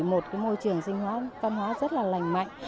một cái môi trường sinh hoạt văn hóa rất là lành mạnh